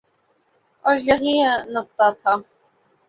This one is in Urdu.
اوریہی نکتہ تھا۔